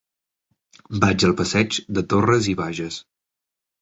Vaig al passeig de Torras i Bages.